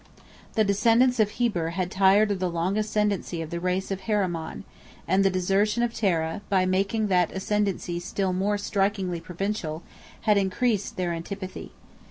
The descendants of Heber had tired of the long ascendancy of the race of Heremon, and the desertion of Tara, by making that ascendancy still more strikingly Provincial, had increased their antipathy.